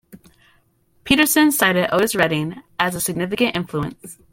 Peterson cited Otis Redding as a significant influence.